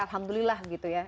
alhamdulillah gitu ya